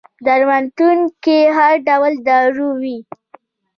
درملتون کي هر ډول دارو وي